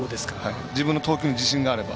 自分の投球に自信があれば。